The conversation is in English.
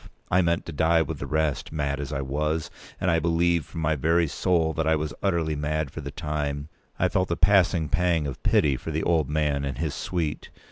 I meant to die with the rest. Mad as I was—and I believe from my very soul that I was utterly mad for the time—I felt a passing pang of pity for the old man and his suite.